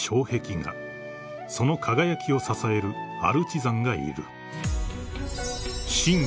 ［その輝きを支えるアルチザンがいる］